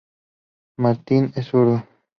Martin es zurdo.